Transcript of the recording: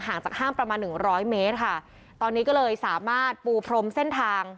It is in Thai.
จากห้างประมาณหนึ่งร้อยเมตรค่ะตอนนี้ก็เลยสามารถปูพรมเส้นทาง